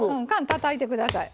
たたいてください。